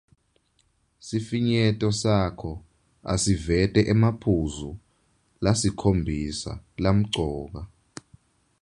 Sifinyeto sakho asivete emaphuzu lasikhombisa lamcoka.